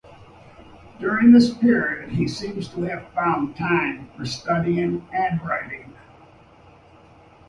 During this period, he seems to have found time for studying and writing.